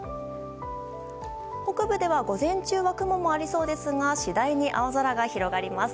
北部では午前中は雲もありそうですが次第に青空が広がります。